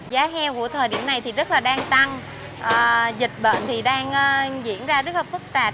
giá heo của thời điểm này thì rất là đang tăng dịch bệnh thì đang diễn ra rất là phức tạp